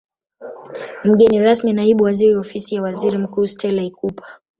Mgeni rasmi Naibu Waziri Ofisi ya Waziri Mkuu Stella Ikupa